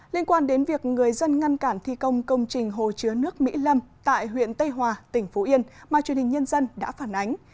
liên quan đến việc người dân ngăn cản thi công công trình hồ chứa nước mỹ lâm tại huyện tây hòa tỉnh phú yên mà truyền hình nhân dân đã phản ánh